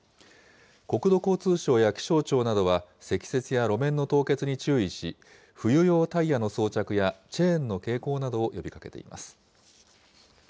国土交通省や気象庁などは、積雪や路面の凍結に注意し、冬用タイヤの装着やチェーンの携行などを呼びかけています。